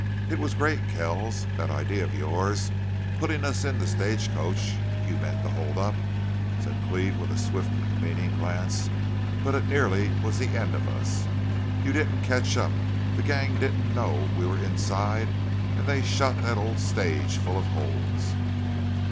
"It was great, Kells that idea of yours putting us in the stagecoach you meant to hold up," said Cleve, with a swift, meaning glance. "But it nearly was the end of us. You didn't catch up. The gang didn't know we were inside, and they shot the old stage full of holes."